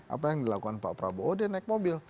apa yang dilakukan pak prabowo dia naik mobil